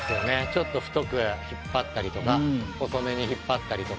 ちょっと太く引っ張ったりとか細めに引っ張ったりとか。